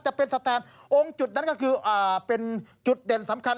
จะเป็นสแตนองค์จุดนั้นก็คือเป็นจุดเด่นสำคัญ